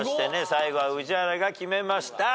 最後は宇治原が決めました。